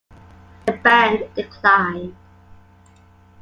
The band declined.